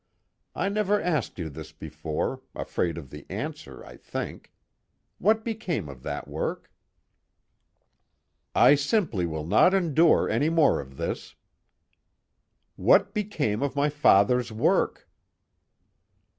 I never asked you this before, afraid of the answer I think: what became of that work?" "I simply will not endure any more of this." "What became of my father's work?"